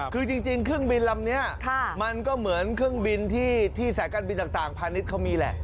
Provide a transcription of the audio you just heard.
คือจริงเครื่องบินลำนี้มันก็เหมือนเครื่องบินที่สายการบินต่างพาณิชย์เขามีแหละ